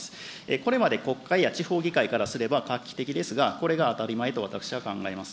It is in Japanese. これまで国会や地方議会からすれば、画期的ですが、これが当たり前と私は考えます。